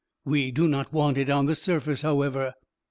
We do not want it on the surface, however."